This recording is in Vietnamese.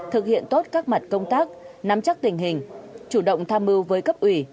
thực hiện tốt các mặt công tác nắm chắc tình hình chủ động tham mưu với cấp ủy